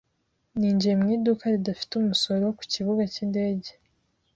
Ninjiye mu iduka ridafite umusoro ku kibuga cy'indege.